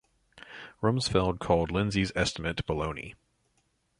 Rumsfeld called Lindsey's estimate "baloney".